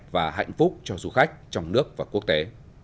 và hạnh phúc cho du khách trong nước và quốc tế